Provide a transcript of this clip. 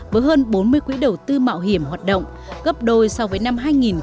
với hơn bốn mươi quỹ đầu tư mạo hiểm hoạt động gấp đôi so với năm hai nghìn một mươi